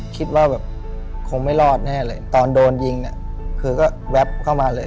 คิดว่าแบบคงไม่รอดแน่เลยตอนโดนยิงเนี่ยคือก็แวบเข้ามาเลย